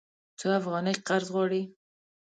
څو افغانۍ قرض غواړې؟